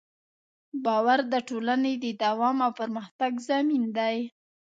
باور د ټولنې د دوام او پرمختګ ضامن دی.